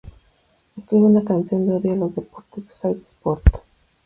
Escriben una canción de odio a los deportes, "Hate sport".